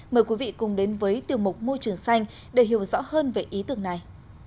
mời quý vị cùng đến với tiểu mục môi trường xanh để hiểu rõ hơn về ý tưởng này